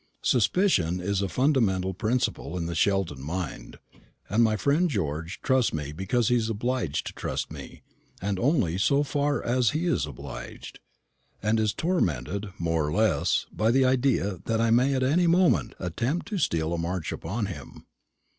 Suspicion is a fundamental principle in the Sheldon mind. My friend George trusts me because he is obliged to trust me and only so far as he is obliged and is tormented, more or less, by the idea that I may at any moment attempt to steal a march upon him.